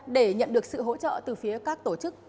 để nhận được sự hỗ trợ từ phía các tổ chức